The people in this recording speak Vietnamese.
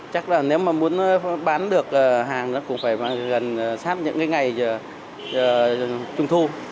chắc là nếu mà muốn bán được hàng cũng phải gần sát những cái ngày trung thu